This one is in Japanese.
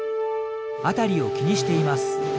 辺りを気にしています。